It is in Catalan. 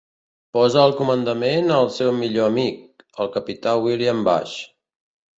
Posa al comandament el seu millor amic, el capità William Bush.